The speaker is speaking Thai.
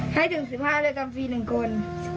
ให้ถึง๑๕เลยทำฟรี๑คน